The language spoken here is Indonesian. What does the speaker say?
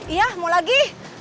ya mau lagi